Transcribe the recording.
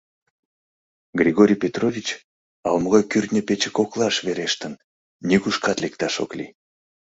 Григорий Петрович ала-могай кӱртньӧ пече коклаш верештын, нигушкат лекташ ок лий.